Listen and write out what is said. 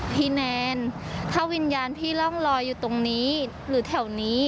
แนนถ้าวิญญาณพี่ร่องลอยอยู่ตรงนี้หรือแถวนี้